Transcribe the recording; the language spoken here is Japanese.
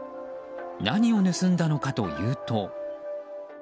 何を盗んだとかというと。